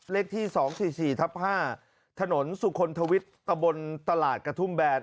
เลขที่สองสี่สี่ทับห้าถนนสุคลณธวิทย์ตะบลตลาดกระทุ่มแบน